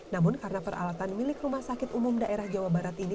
namun karena peralatan milik rumah sakit umum daerah jawa barat ini